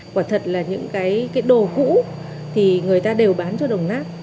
quả thật là những cái đồ cũ thì người ta đều bán cho đồng nát